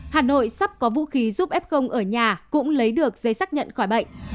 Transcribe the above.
hà nội sắp có vũ khí giúp f ở nhà cũng lấy được giấy xác nhận khỏi bệnh